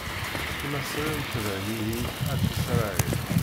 Imaṣriyen tebɛen ihi At Isṛayil.